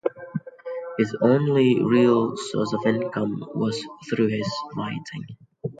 His only real source of income was through his writing.